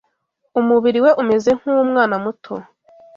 Umubiri we umeze nk’ uwumwana muto